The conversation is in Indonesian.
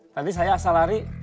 tadi saya asal lari